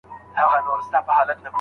حالات مې سوزوي، ستا په لمن کې جانانه